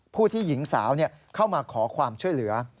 ผู้ที่หญิงสาวเข้ามาขอความช่วยเหลือ